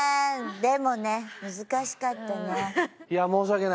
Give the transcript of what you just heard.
でもね難しかったね。